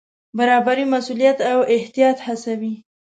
برابري مسوولیت او احتیاط هڅوي.